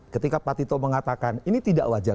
ketika pak tito mengatakan ini tidak wajar